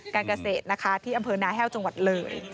การเกษตรนะคะที่อำเภอนาแห้วจังหวัดเลย